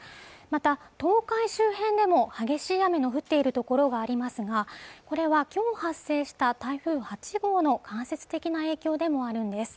また東海周辺でも激しい雨の降っている所がありますがこれは今日発生した台風８号の間接的な影響でもあるんです